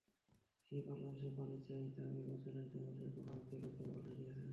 তিনি বাংলাদেশের পানির চাহিদা বিবেচনায় নেওয়ার জন্য ভারতের প্রতি আহ্বান জানিয়েছেন।